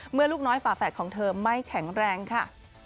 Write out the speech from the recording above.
ลูกน้อยฝาแฝดของเธอไม่แข็งแรงค่ะ